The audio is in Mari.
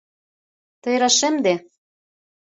Тый рашемде.